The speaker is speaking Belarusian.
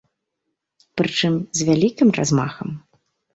Прычым з вялікім размахам.